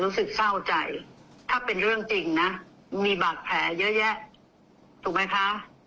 รู้สึกเศร้าใจถ้าเป็นเรื่องจริงนะมีบาดแผลเยอะแยะถูกไหมคะ